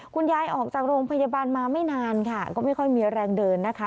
คุณยายออกจากโรงพยาบาลมาไม่นานค่ะก็ไม่ค่อยมีแรงเดินนะคะ